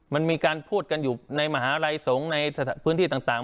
มันมีการพูดกันอยู่ในมหาลัยสงฆ์ในพื้นที่ต่าง